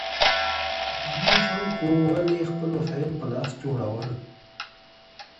پخواني خلګ ولي خپل وسايل په لاس جوړول؟